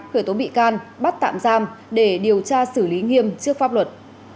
khởi tố bị can bắt tạm giam để điều tra xử lý nghiêm trước pháp luật